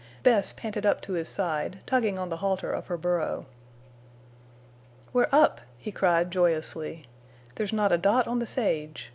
Bess panted up to his side, tugging on the halter of her burro. "We're up!" he cried, joyously. "There's not a dot on the sage.